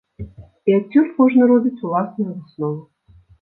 І адсюль кожны робіць уласныя высновы.